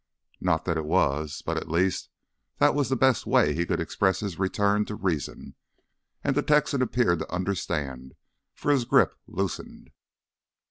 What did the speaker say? Not that it was, but at least that was the best way he could express his return to reason. And the Texan appeared to understand, for his grip loosened.